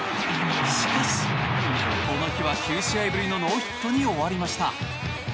しかし、この日は９試合ぶりのノーヒットに終わりました。